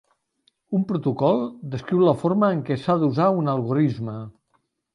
Un protocol descriu la forma en què s'ha d'usar un algorisme.